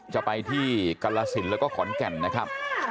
จะไปที่กรสินแล้วก็ขอนแก่นนะครับ